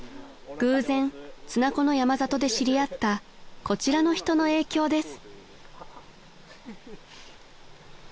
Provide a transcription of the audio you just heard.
［偶然綱子の山里で知り合ったこちらの人の影響です］